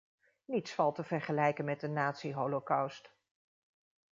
Niets valt te vergelijken met de nazi-holocaust.